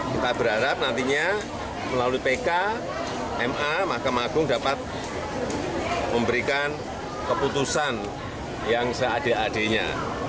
kita berharap nantinya melalui pk ma mahkamah agung dapat memberikan keputusan yang seadil adilnya